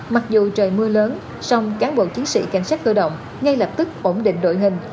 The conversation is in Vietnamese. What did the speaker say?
mặc dù trời mưa lớn song cán bộ chiến sĩ cảnh sát cơ động ngay lập tức ổn định đội hình